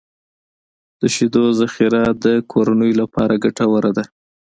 د شیدو ذخیره د کورنیو لپاره ګټوره ده.